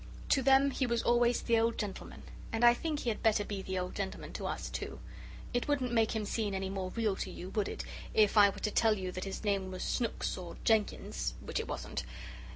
To them he was always the old gentleman, and I think he had better be the old gentleman to us, too. It wouldn't make him seem any more real to you, would it, if I were to tell you that his name was Snooks or Jenkins (which it wasn't)?